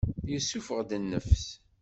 Yessuffeɣ-d nnefs.